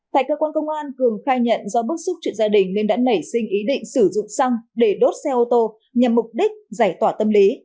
tại cơ quan công an cường khai nhận do bức xúc chuyện gia đình nên đã nảy sinh ý định sử dụng xăng để đốt xe ô tô nhằm mục đích giải tỏa tâm lý